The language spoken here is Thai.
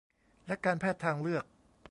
และการแพทย์ทางเลือก